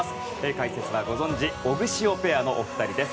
解説は、ご存じオグシオペアのお二人です。